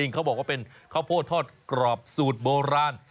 เขาบอกว่าเป็นข้าวโพดทอดกรอบสูตรโบราณ